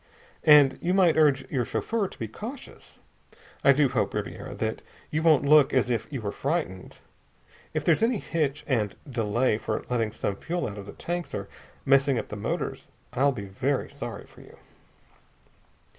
And you might urge your chauffeur to be cautious. I do hope, Ribiera, that you won't look as if you were frightened. If there's any hitch, and delay for letting some fuel out of the tanks or messing up the motors, I'll be very sorry for you."